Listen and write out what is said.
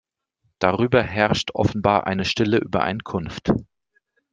Darüber herrscht offenbar eine stille Übereinkunft.